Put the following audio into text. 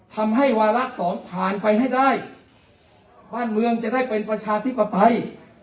ทำให้วาระสองผ่านไปให้ได้บ้านเมืองจะได้เป็นประชาธิปไตย